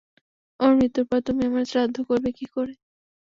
আমার মৃত্যুর পরে তুমি আমার শ্রাদ্ধ করবে কী করে!